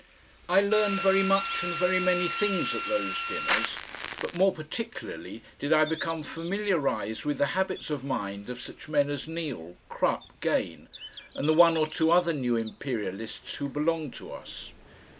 I learned very much and very many things at those dinners, but more particularly did I become familiarised with the habits of mind of such men as Neal, Crupp, Gane, and the one or two other New Imperialists who belonged to us.